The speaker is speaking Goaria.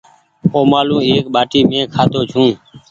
اومآلون ايڪ ٻآٽي مينٚ کآڌو ڇوٚنٚ